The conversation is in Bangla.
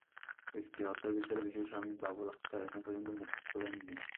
স্ত্রী হত্যার বিচারের বিষয়ে স্বামী বাবুল আক্তার এখন পর্যন্ত মুখও খোলেননি।